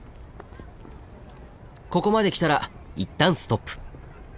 ここまで来たら一旦ストップ。